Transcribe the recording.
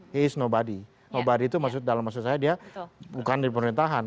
he is nobody nobody itu dalam maksud saya dia bukan diperintahkan